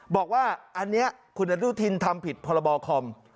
บอกว่าอันนี้คุณอนุทินทำผิดพรบคอม